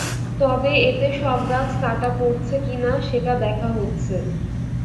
তবে এতে সব গাছ কাটা পড়ছে কি না, সেটা দেখা হচ্ছে।